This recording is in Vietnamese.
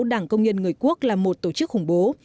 đảng công nhân người quốc là một tổ chức khủng bố